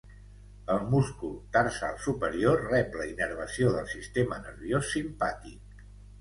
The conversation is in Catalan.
El múscul tarsal superior rep la innervació del sistema nerviós simpàtic.